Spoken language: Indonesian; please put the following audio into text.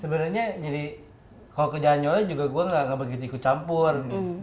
sebenarnya jadi kalau kerjaan nyonya juga gue gak begitu ikut campur